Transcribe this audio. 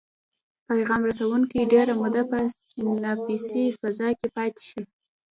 پیغام رسوونکي ډیره موده په سیناپسي فضا کې پاتې شي.